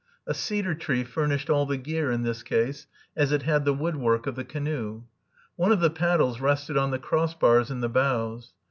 A cedar tree furnished all the gear in this case, as it had the woodwork of the canoe. One of the paddles rested on the cross bars in the bows.